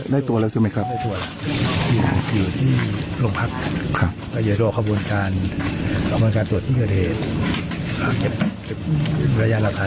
ได้ตรวจล่ะ